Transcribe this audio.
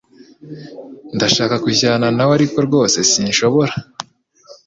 Ndashaka kujyana nawe ariko rwose sinshobora